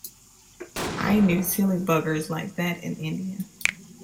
I knew silly buggers like that in India.